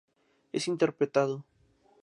Es interpretado por Christopher Walken.